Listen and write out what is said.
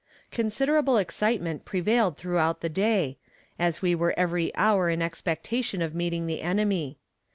Considerable excitement prevailed throughout the day, as we were every hour in expectation of meeting the enemy.